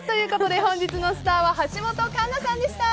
本日のスター橋本環奈さんでした。